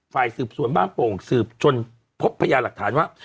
ฝ่ายสืบสวนบ้านโป่งสืบจนพบพยาหลักฐานว่า